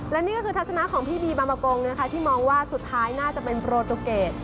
และนี่ก็คือทัศนะของพี่บีบางประกงนะคะที่มองว่าสุดท้ายน่าจะเป็นโปรตูเกต